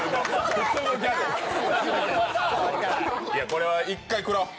これは一回食らおう。